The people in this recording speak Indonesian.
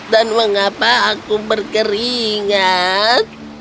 dan mengapa aku berkeringat